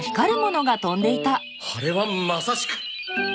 あれはまさしく。